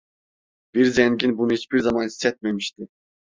Bir zengin bunu hiçbir zaman hissetmemişti.